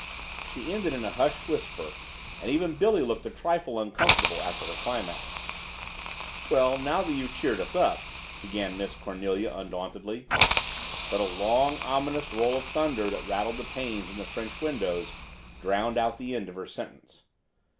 She ended in a hushed whisper and even Billy looked a trifle uncomfortable after her climax. "Well, now that you've cheered us up," began Miss Cornelia undauntedly, but a long, ominous roll of thunder that rattled the panes in the French windows drowned out the end of her sentence.